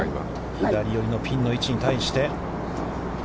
左寄りのピンの位置に対して。